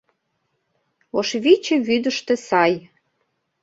Ош Виче вӱдыштӧ сай.